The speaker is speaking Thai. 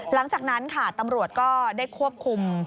หลังจากนั้นค่ะตำรวจก็ได้ควบคุม